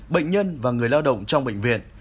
bệnh nhân và người lao động trong bệnh viện